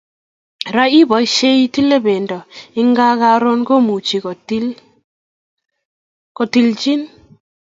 rani iboishe itilee bendo ingaa karon komuch kotilin